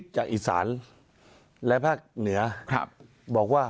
ที่ไม่มีนิวบายในการแก้ไขมาตรา๑๑๒